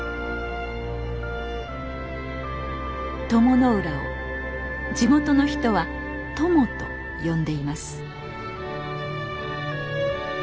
鞆の浦を地元の人は「鞆」と呼んでいます。